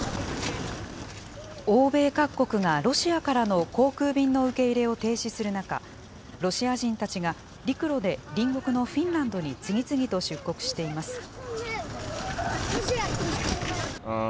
欧米各国がロシアからの航空便の受け入れを停止する中、ロシア人たちが陸路で、隣国のフィンランドに次々と出国しています。